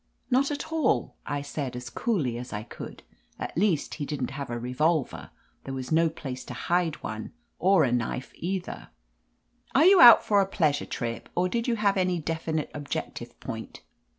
"Not at all," I said, as coolly as I could. At least he didn't have a revolver: there was no place to hide one, or a knife either. "Are you out for a pleasure trip? Or did you have any definite objective point?"